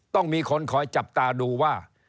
ต้องมีคนคอยจับตาดูว่า